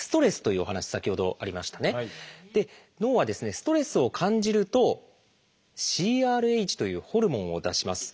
ストレスを感じると「ＣＲＨ」というホルモンを出します。